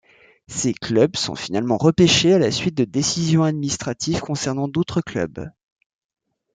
Ces clubs sont finalement repêchés à la suite de décisions administratives concernant d'autres clubs.